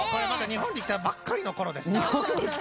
日本に来たばっかりのころ？